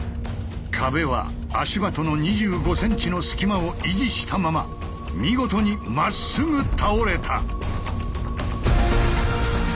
壁は足場との２５ｃｍの隙間を維持したまま見事にまっすぐ倒れた。